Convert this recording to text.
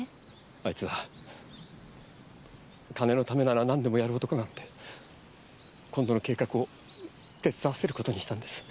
あいつは金のためならなんでもやる男なので今度の計画を手伝わせる事にしたんです。